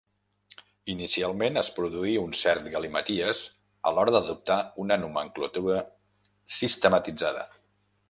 Inicialment, es produí un cert galimaties a l'hora d'adoptar una nomenclatura sistematitzada.